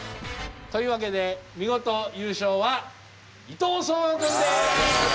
というわけで見事優勝は伊藤壮吾君です！